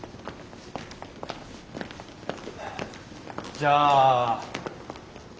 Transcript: じゃあ。